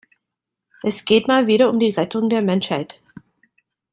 Es geht mal wieder um die Rettung der Menschheit.